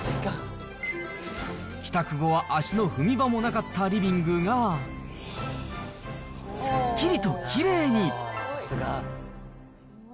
帰宅後は足の踏み場もなかったリビングが、すっきりときれいに。